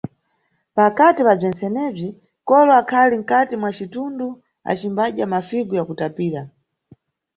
Pakati pa bzentsenebzi, kolo akhali mkati mwa citundu acimbadya mafigu yakutapira.